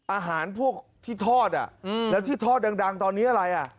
อาหารพวกที่ทอดอ่ะแล้วที่ทอดดังตอนนี้อะไรอ่ะ